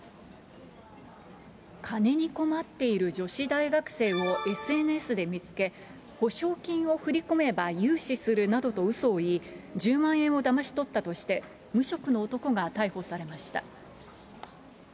金に困っている女子大学生をＳＮＳで見つけ、保証金を振り込めば融資するなどとうそを言い、１０万円をだまし取ったとして無職の男が逮捕されました。